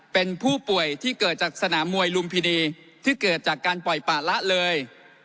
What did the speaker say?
เป็นผู้ป่วยที่เกิดจากสนามมวยลุมพินีที่เกิดจากการปล่อยปะละเลย